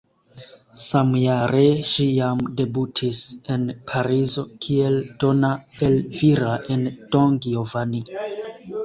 Samjare ŝi jam debutis en Parizo kiel Donna Elvira en "Don Giovanni".